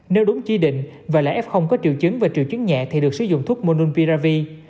nếu đúng chi định và là f có triệu chứng và triệu chứng nhẹ thì được sử dụng thuốc monun piravi